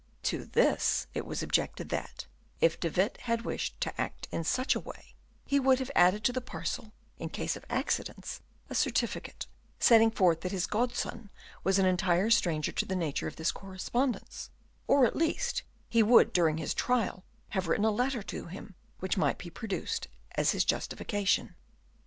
To this it was objected that, if De Witt had wished to act in such a way, he would have added to the parcel, in case of accidents, a certificate setting forth that his godson was an entire stranger to the nature of this correspondence, or at least he would during his trial have written a letter to him, which might be produced as his justification.